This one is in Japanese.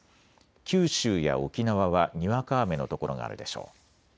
九州や沖縄はにわか雨の所があるでしょう。